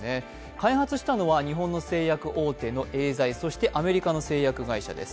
開発したのは日本の製薬大手のエーザイそしてアメリカの製薬会社です。